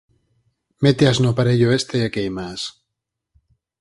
¡Méteas no aparello este e quéimaas!